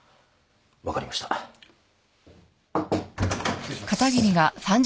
・・失礼します。